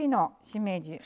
しめじを。